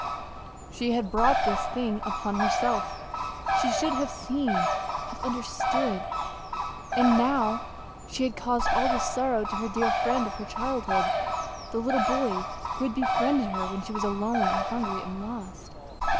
She had brought this thing upon herself. She should have seen have understood. And now she had caused all this sorrow to this dear friend of her childhood the little boy who had befriended her when she was alone and hungry and lost....